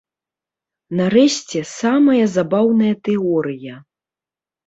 Нарэшце, самая забаўная тэорыя.